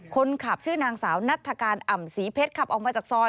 คนขับชื่อนางสาวนัฐการอ่ำศรีเพชรขับออกมาจากซอย